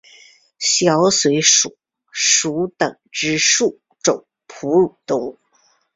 小水鼠属等之数种哺乳动物。